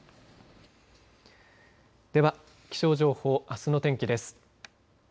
では気象情報あすの天気です。